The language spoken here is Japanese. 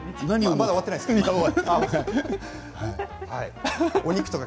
まだ終わってないですか。